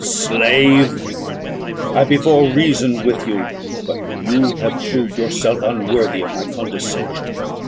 "Slave, I before reasoned with you, but you have proved yourself unworthy of my condescension.